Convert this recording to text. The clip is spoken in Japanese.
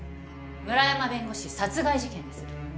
村山弁護士殺害事件です。